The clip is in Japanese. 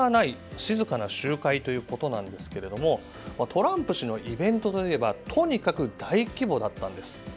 静かな集会ということですがトランプ氏のイベントといえばとにかく大規模だったんです。